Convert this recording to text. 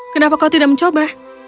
kenapa kau tidak mencoba